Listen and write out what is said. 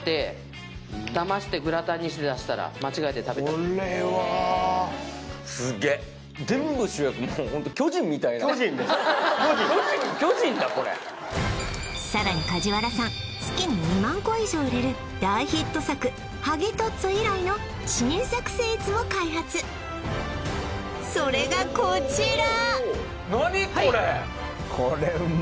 ねえこれすごいこれこれは巨人だこれさらに梶原さん月に２万個以上売れる大ヒット作はぎトッツォ以来の新作スイーツも開発それがこちら